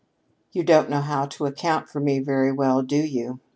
"You don't know how to account for me very well, do you?"